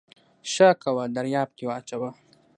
ښه کوه دریاب کې واچوه